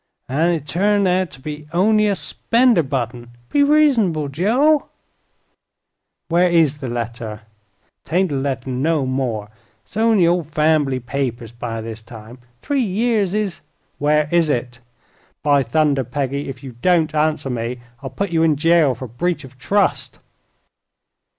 "An' it turned out to be on'y a 'spender butt'n. Be reason'ble, Joe." "Where is the letter?" "'Tain't a letter no more. It's on'y ol' fambly papers by this time. Three years is " "Where is it? By thunder, Peggy, if you don't answer me I'll put you in jail for breach of trust!"